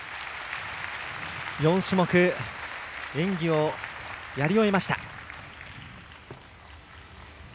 ４種目、演技をやり終えました。